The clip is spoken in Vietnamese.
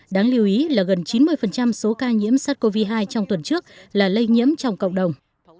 đáng lưu ý là gần chín mươi số ca nhiễm sars cov hai trong tuần trước là lây nhiễm trong cộng đồng